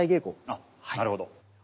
あっなるほど。